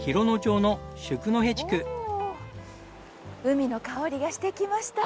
海の香りがしてきました。